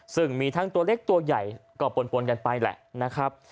ซึ่งมีทั้งตัวเล็กตัวใหญ่ก็ปนกันไปแหละนะครับ